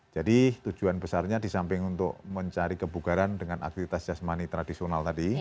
jadi tujuan besarnya disamping untuk mencari kebugaran dengan aktivitas jazmani tradisional tadi